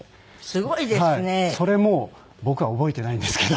すごいですね。それも僕は覚えてないんですけど。